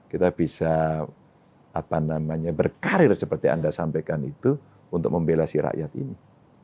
kita bisa berkarir seperti anda sampaikan itu untuk membela si rakyat ini